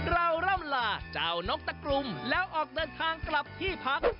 ร่ำลาเจ้านกตะกลุ่มแล้วออกเดินทางกลับที่พัก